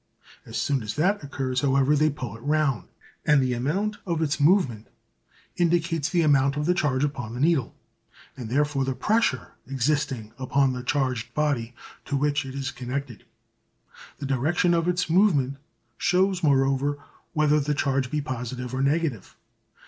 As soon as that occurs, however, they pull it round, and the amount of its movement indicates the amount of the charge upon the needle, and therefore the pressure existing upon the charged body to which it is connected. The direction of its movement shows, moreover, whether the charge be positive or negative.